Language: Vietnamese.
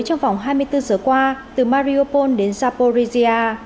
trong vòng hai mươi bốn giờ qua từ mariupol đến zaporizhia